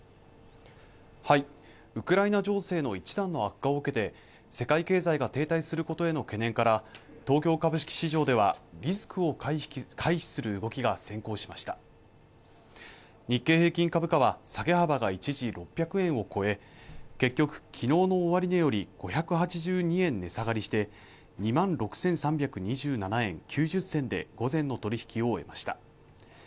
ウクライナ情勢の一段の悪化を受けて世界経済が停滞することへの懸念から東京株式市場ではリスクを回避する動きが先行しました日経平均株価は下げ幅が一時６００円を超え結局昨日の終値より５８２円値下がりして２万６３２７円９０銭で午前の取引を終えました